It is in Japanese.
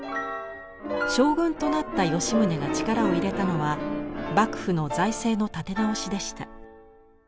将軍となった吉宗が力を入れたのは幕府の財政の立て直しでした。